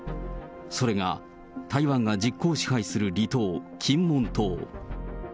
それが、台湾が実効支配する離島、金門島。